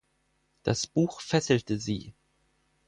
Das Buch fesselte sie.